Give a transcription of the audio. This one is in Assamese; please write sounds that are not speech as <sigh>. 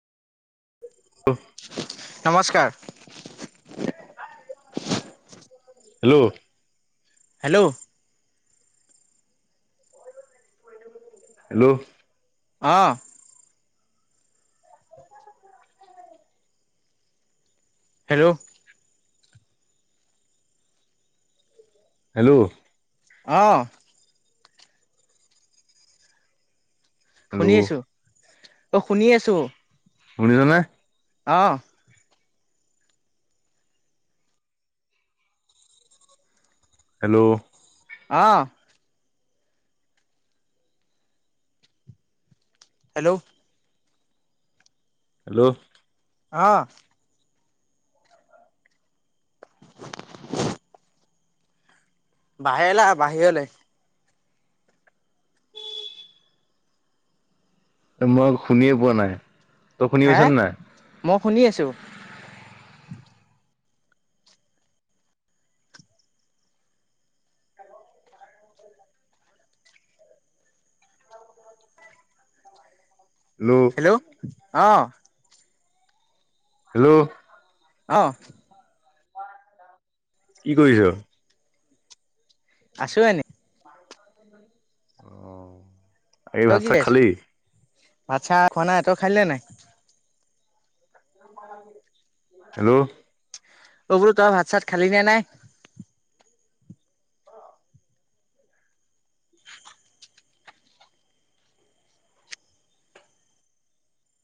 অ নমস্কাৰ হেল্ল'- হেল্ল'- হেল্ল'- অঁ- হেল্ল' হেল্ল' অঁ শুনি হেল্ল' আছো অ শুনি আছো। শুনিচা নে? আঃ হেল্ল' অ হেল্ল', হেল্ল', অ <unintelligible> বাহিৰ লে আহা বাহিৰলে। মই শুনিয়ে পোৱা নাই তই শুনি হে পাইছনে নাই। মই শুনি আছো। <unintelligible> হেল্ল' অ হেল্ল', অ, কি কৰিছ। আছো এনে, <inaudible> অ এই তই ভাত কি চাত কৰি খালি আছ ভাত চাত খোৱা নাই তই খালি নাই। হেল্ল', অ বোলো তই ভাত চাত খালি নে নাই।